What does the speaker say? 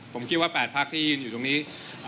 ผมคิดว่า๘พักที่ยืนอยู่ตรงนี้